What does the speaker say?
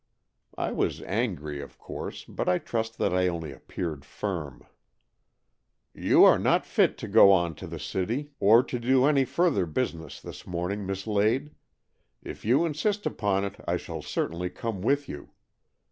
I was angry, of course, but I trust that I only appeared firm. "You are not fit to go on to the City, or to do any further business this morning. Miss Lade. If you insist upon it, I shall certainly come with you.